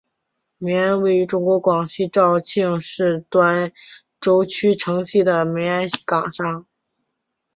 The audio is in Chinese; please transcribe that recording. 梅庵位于中国广东省肇庆市端州区城西的梅庵岗上。